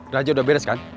raja udah beres kan